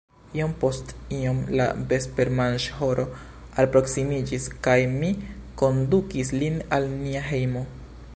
Iom post iom la vespermanĝhoro alproksimiĝis kaj mi kondukis lin al nia hejmo.